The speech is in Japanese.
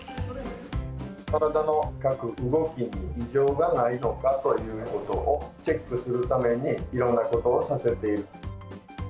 体の動きに異常がないかということをチェックするために、いろんなことをさせている。